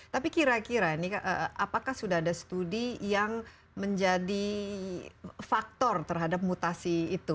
tapi kira kira ini apakah sudah ada studi yang menjadi faktor terhadap mutasi itu